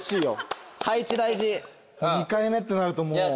・２回目ってなるともう。